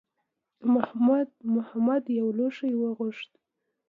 محمد یو لوښی وغوښت.